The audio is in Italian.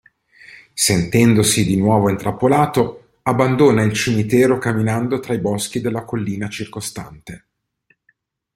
Sentendosi di nuovo intrappolato, abbandona il cimitero camminando tra i boschi della collina circostante.